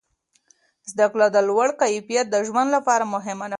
زده کړه د لوړ کیفیت د ژوند لپاره مهمه ده.